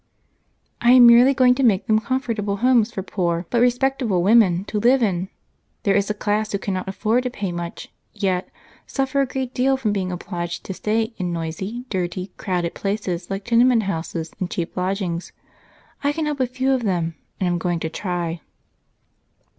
"I am merely going to make them comfortable homes for poor but respectable women to live in. There is a class who cannot afford to pay much, yet suffer a great deal from being obliged to stay in noisy, dirty, crowded places like tenement houses and cheap lodgings. I can help a few of them and I'm going to try."